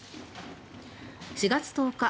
４月１０日